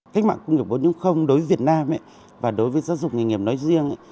cách mạng công nghiệp bốn đối với việt nam và đối với giáo dục nghề nghiệp nói riêng